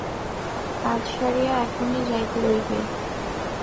কাজ সারিয়া এখনই যাইতে হইবে।